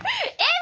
Ｍ？